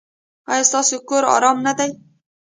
ایا ستاسو کور ارام نه دی؟